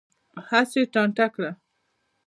هسې یې ټانټه کړه.